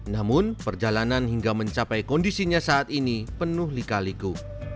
namun perjalanan hingga mencapai kondisinya saat ini penuh lika liku